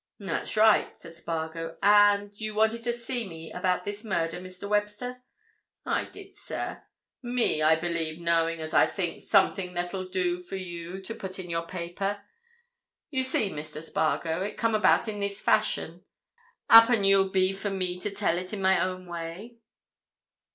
"That's right," said Spargo. "And—you wanted to see me about this murder, Mr. Webster?" "I did, sir. Me, I believe, knowing, as I think, something that'll do for you to put in your paper. You see, Mr. Spargo, it come about in this fashion—happen you'll be for me to tell it in my own way."